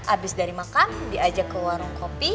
abis dari makam diajak ke warung kopi